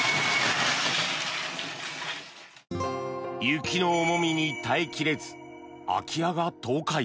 雪の重みに耐え切れず空き家が倒壊。